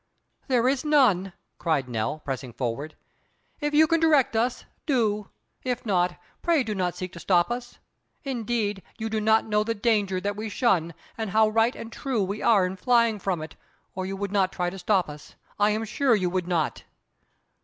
"There is none," cried Nell, pressing forward. "If you can direct us, do. If not, pray do not seek to stop us. Indeed, you do not know the danger that we shun, and how right and true we are in flying from it, or you would not try to stop us; I am sure you would not."